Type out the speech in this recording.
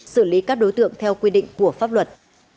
xử lý các đối tượng theo quy định của pháp luật